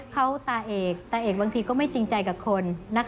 เขาตาเอกตาเอกบางทีก็ไม่จริงใจกับคน